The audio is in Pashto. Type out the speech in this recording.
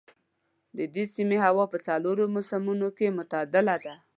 د دې سيمې هوا په څلورو موسمونو کې معتدله ده.